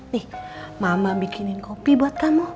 nih mama bikinin kopi buat kamu